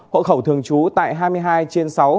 hộ khẩu thường trú tại hai mươi hai trên sáu